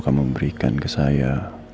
kamu berikan ke saya